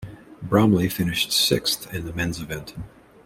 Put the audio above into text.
Bromley finished sixth in the men's event.